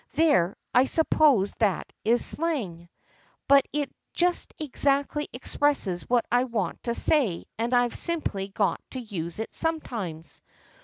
There, I suppose that is slang ! But it just exactly expresses what I want to say and I've simply got to use it sometimes.